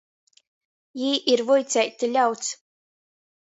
Jī ir vuiceiti ļauds.